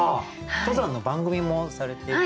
登山の番組もされている？